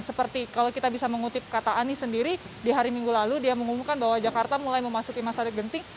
seperti kalau kita bisa mengutip kata anies sendiri di hari minggu lalu dia mengumumkan bahwa jakarta mulai memasuki masa genting